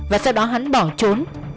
và sau đó hắn bỏ trốn